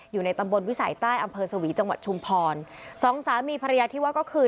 อยู่ในตำบลวิสัยใต้อำเภอสวีจังหวัดชุมพรสองสามีภรรยาที่ว่าก็คือ